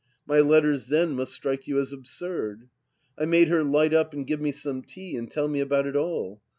My letters then must strike you as absurd. I made her light up and give me some tea and tell me about it all.